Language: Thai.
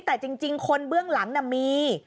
แต่จริงคนเบื้องหลังมี